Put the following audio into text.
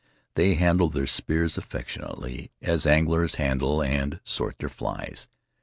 They handle their spears affectionately, as anglers handle and sort their flies.